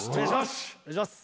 お願いします！